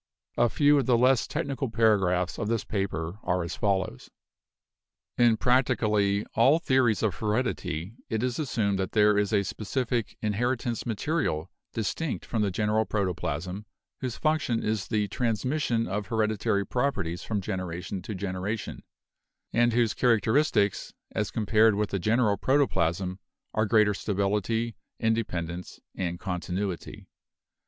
A few of the less technical paragraphs of this paper are as follows: "In practically all theories of heredity it is assumed that there is a specific 'inheritance material,' distinct from the general protoplasm, whose function is the 'transmission' of hereditary properties from generation to generation, and whose characteristics, as compared with the general protoplasm, are greater stability, independence and con tinuity.